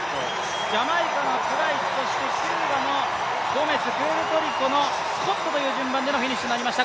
ジャマイカのプライス、そしてキューバのゴメスプエルトリコのスコットという順番になりました。